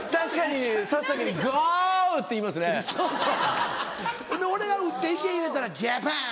ほんで俺が打って池入れたら「ジャパン！」